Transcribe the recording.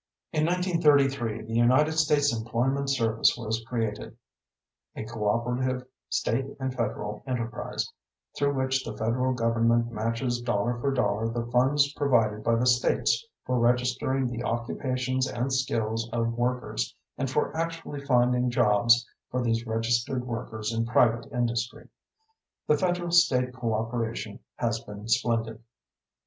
In 1933 the United States Employment Service was created a cooperative state and federal enterprise, through which the federal government matches dollar for dollar the funds provided by the states for registering the occupations and skills of workers and for actually finding jobs for these registered workers in private industry. The federal state cooperation has been splendid.